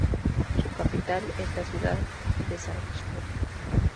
Su capital es la ciudad de Sarpsborg.